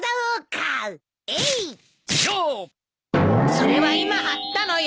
それは今張ったのよ！